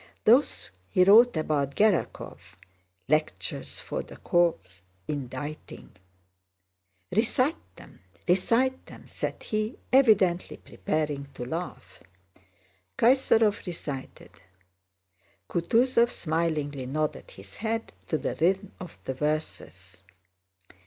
Those he wrote about Gerákov: 'Lectures for the corps inditing'... Recite them, recite them!" said he, evidently preparing to laugh. Kaysárov recited.... Kutúzov smilingly nodded his head to the rhythm of the verses.